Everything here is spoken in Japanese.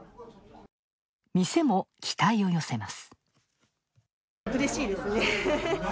店も期待を寄せます。